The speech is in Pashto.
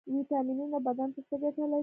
ویټامینونه بدن ته څه ګټه لري؟